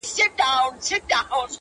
كبرجن وو ځان يې غوښـتى پــه دنـيـا كي،